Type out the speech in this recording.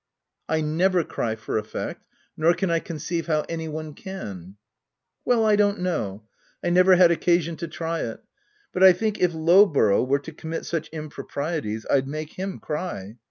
u I never cry for effect ; nor can I conceive how any one can." (t Well, I don't know : 1 never had occasion to try it ;— but I think if Low r borough were to commit such improprieties, I'd make him cry.